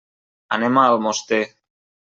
Anem a Almoster.